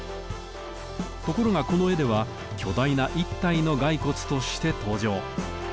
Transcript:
ところがこの絵では巨大な１体の骸骨として登場。